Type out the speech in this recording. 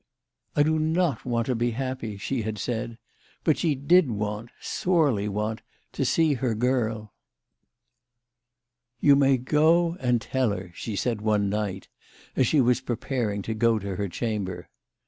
" I do not want to be happy," she had said ; but she did want, sorely want, to see her 182 THE LADY 6F LATJNAY. girl. " You may go and tell her," she said one night as she was preparing to go to her chamher.